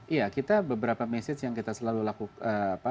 iya kita beberapa message yang kita selalu lakukan